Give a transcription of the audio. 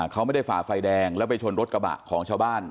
เขาไม่ได้ฝ่าไฟแดงแล้วไปชนรถกระบะของชาวบ้าน